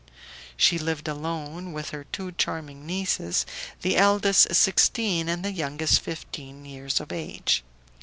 She lived alone with her two charming nieces, the eldest sixteen, and the youngest fifteen years of age.